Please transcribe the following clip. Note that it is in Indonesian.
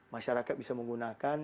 masyarakat bisa menggunakan